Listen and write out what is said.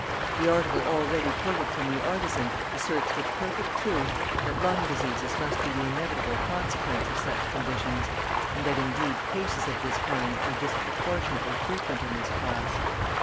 The article already quoted from the Artisan asserts with perfect truth, that lung diseases must be the inevitable consequence of such conditions, and that, indeed, cases of this kind are disproportionately frequent in this class.